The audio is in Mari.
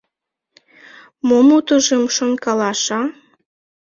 — Мом утыжым шонкалаш, а?..